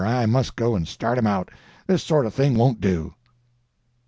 I must go and start 'em out—this sort of thing won't do!"